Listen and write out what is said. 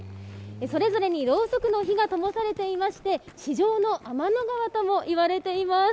それぞれにろうそくの火がともされていまして地上の天の川とも言われています。